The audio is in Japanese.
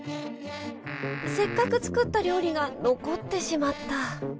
せっかく作った料理が残ってしまった。